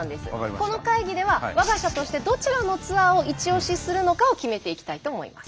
この会議では我が社としてどちらのツアーをイチオシするのかを決めていきたいと思います。